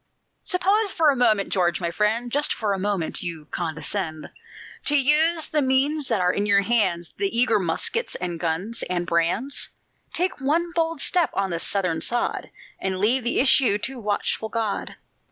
Suppose for a moment, George, my friend Just for a moment you condescend To use the means that are in your hands, The eager muskets and guns and brands; Take one bold step on the Southern sod, And leave the issue to watchful God!